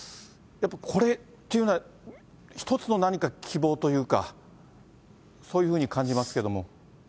やっぱりこれっていうのは、一つの何か希望というか、そういうふうに感じますけども。